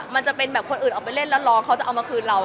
มันจะเป็นแบบคนอื่นออกไปเล่นแล้วร้องเขาจะเอามาคืนเรา